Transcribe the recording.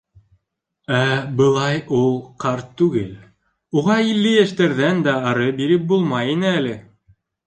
Ә былай ул ҡарт түгел, уға илле йәштәрҙән дә ары биреп булмай ине әле.